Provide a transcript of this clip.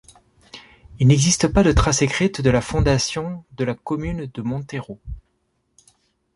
Il n'existe pas de trace écrite de la fondation de la commune de Montherod.